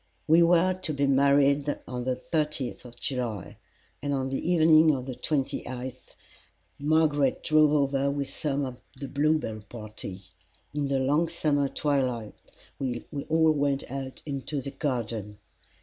We were to be married on the thirtieth of July, and on the evening of the twenty eighth Margaret drove over with some of the Bluebell party. In the long summer twilight we all went out into the garden.